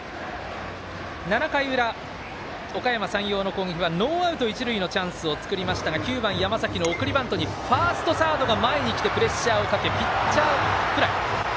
７回裏、おかやま山陽の攻撃はノーアウト、一塁のチャンスを作りましたが９番、山崎の送りバントにファースト、サードが前に来てプレッシャーをかけピッチャーフライ。